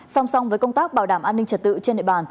song song với công tác bảo đảm an ninh trật tự trên địa bàn